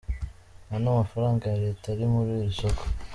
Nta n’ amafranga ya leta ari muri iri soko.